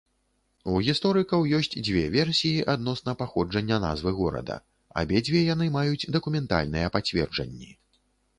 У гісторыкаў ёсць дзве версіі адносна паходжання назвы горада, абедзве яны маюць дакументальныя пацверджанні.